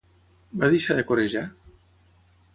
Va deixar de corejar?